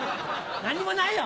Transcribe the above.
何にもないよ！